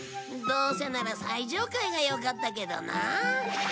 どうせなら最上階がよかったけどな。